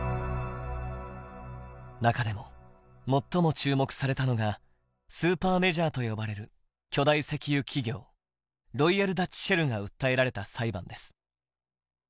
中でも最も注目されたのがスーパーメジャーと呼ばれる巨大石油企業「ロイヤル・ダッチ・シェル」が訴えられた裁判です。